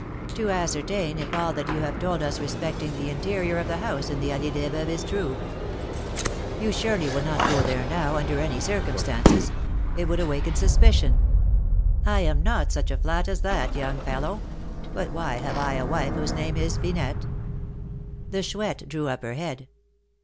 "To ascertain if all that you have told us respecting the interior of the house in the Allée des Veuves is true." "You surely will not go there now, under any circumstances? It would awaken suspicion." "I am not such a flat as that, young fellow; but why have I a wife whose name is Finette?" The Chouette drew up her head.